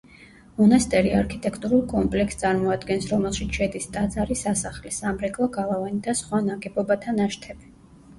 მონასტერი არქიტექტურულ კომპლექს წარმოადგენს, რომელშიც შედის ტაძარი სასახლე, სამრეკვლო გალავანი და სხვა ნაგებობათა ნაშთები.